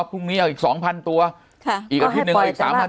พรุ่งนี้เอาอีก๒๐๐๐ตัวอีกประเภท๑๓